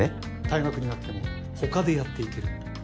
退学になっても他でやっていける。